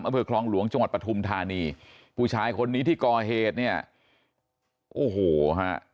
อำเภอคลองหลวงจังหวัดปฐุมธานีผู้ชายคนนี้ที่ก่อเหตุเนี่ยโอ้โหฮะ